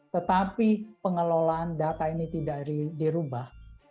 tetapi pengelolaan data ini tidak dirubah